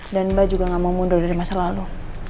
dan mba juga gak mau mundur dari masa lalu